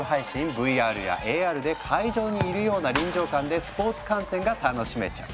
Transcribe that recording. ＶＲやＡＲで会場にいるような臨場感でスポーツ観戦が楽しめちゃう。